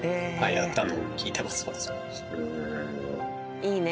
いいね。